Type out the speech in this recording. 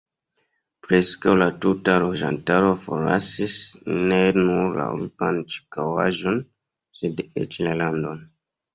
Preskaŭ la tuta loĝantaro forlasis ne nur la urban ĉirkaŭaĵon, sed eĉ la landon.